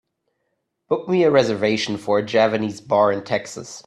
Book me a reservation for a javanese bar in Texas